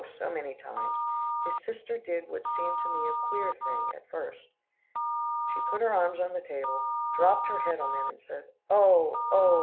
so many, times, his sister did what seemed to me a queer thing, at first. She put her arms on the table, dropped her head on them, and said, "Oh! oh!